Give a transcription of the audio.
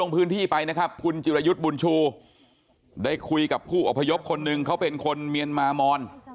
พระยุทธบุญชูได้คุยกับผู้อบพยพคนหนึ่งเขาเป็นคนเมียนมามอน